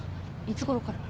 いつごろから？